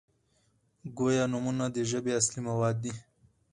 ګویا نومونه د ژبي اصلي مواد دي.